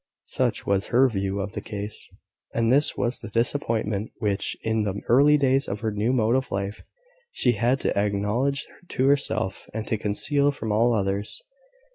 Such was her view of the case; and this was the disappointment which, in the early days of her new mode of life, she had to acknowledge to herself, and to conceal from all others.